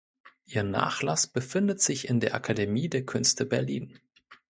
Ihr Nachlass befindet sich in der Akademie der Künste Berlin.